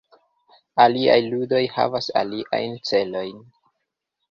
Aliaj ludoj havas aliajn celojn.